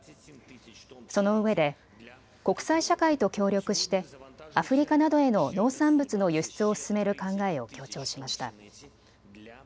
そのうえで国際社会と協力してアフリカなどへの農産物の輸出を進める考えを強調しました。